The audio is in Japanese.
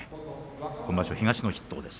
今場所は東の筆頭です。